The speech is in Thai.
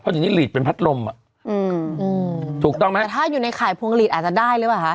เพราะทีนี้หลีดเป็นพัดลมถูกต้องไหมแต่ถ้าอยู่ในข่ายพวงหลีดอาจจะได้หรือเปล่า